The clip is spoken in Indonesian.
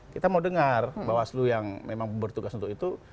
kita mau dengar bawaslu yang memang bertugas untuk itu